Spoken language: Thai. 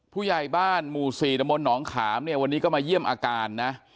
ผู้ใหญ่บ้านหมู่๔ตะมนต์หนองขามเนี่ยวันนี้ก็มาเยี่ยมอาการนะ